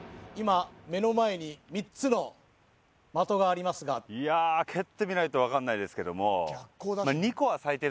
今目の前に３つの的がありますがいや蹴ってみないと分かんないですけどもなと思います